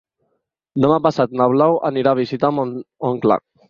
Demà passat na Blau anirà a visitar mon oncle.